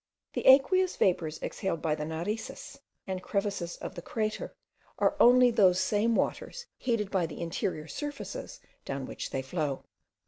The aqueous vapours exhaled by the Narices and crevices of the crater, are only those same waters heated by the interior surfaces down which they flow.